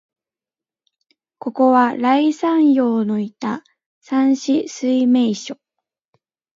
ここは、頼山陽のいた山紫水明処、